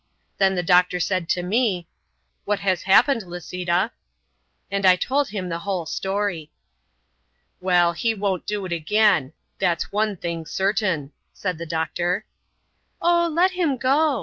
Then the doctor said to me, "What has happened, Lisita?" And I told him the whole story. "Well, he won't do it again; that's one thing certain," said the doctor. "Oh, let him go!"